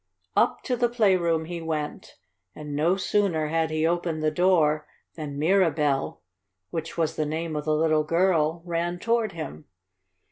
Up to the playroom he went, and no sooner had he opened the door than Mirabell, which was the name of the little girl, ran toward him.